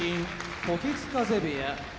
時津風部屋